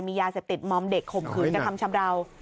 ยาเสพติดมอมเด็กข่มขืนกระทำชำราว